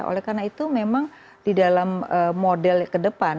oleh karena itu memang di dalam model ke depan